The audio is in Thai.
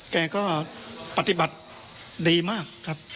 แกก็ปฏิบัติดีมากครับ